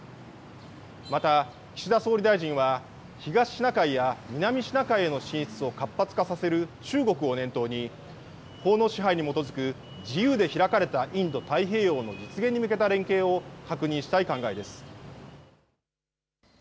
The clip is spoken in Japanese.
また岸田総理大臣は東シナ海や南シナ海への進出を活発化させる中国を念頭に法の支配に基づく自由で開かれたインド太平洋の実現に向けた連携を確認したい考えです。